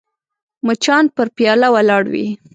مچان پر پیاله ولاړ وي